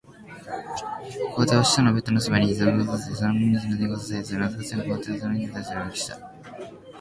皇帝は使者をベッドのそばにひざまずかせ、その耳にその伝言の文句をささやいた。うなずいて見せることで、皇帝はその復誦の言葉の正しさを裏書きした。